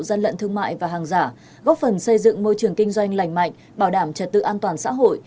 gian lận thương mại và hàng giả góp phần xây dựng môi trường kinh doanh lành mạnh bảo đảm trật tự an toàn xã hội